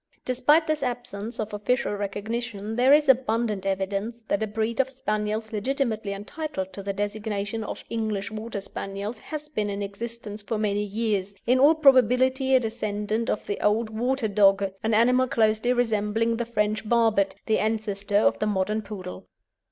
Despite this absence of official recognition there is abundant evidence that a breed of Spaniels legitimately entitled to the designation of English Water Spaniels has been in existence for many years, in all probability a descendant of the old "Water Dogge," an animal closely resembling the French "Barbet," the ancestor of the modern Poodle.